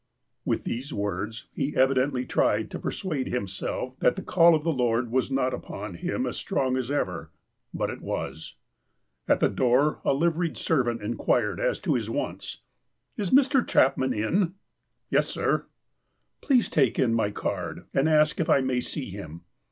With these words, he evidently tried to persuade him self that the call of the Lord was not upon him as strong as ever. But it was. At the door a liveried servant inquired as to his wants. ''Is Mr. Chapman in?" "Yes, sir." " Ph';us(^ take in my card, and ask if I may see him."